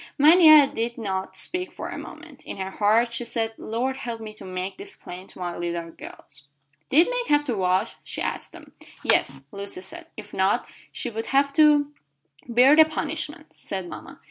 Mania did not speak for a moment. In her heart she said, "Lord help me to make this plain to my little girls." "Did Meg have to wash?" she asked them. "Yes," said Lucy. "If not, she would have to " "Bear the punishment," said mama.